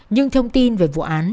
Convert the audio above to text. nhưng thông tin về vụ án